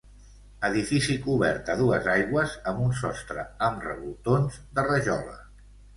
Edifici cobert a dues aigües amb un sostre amb revoltons de rajola.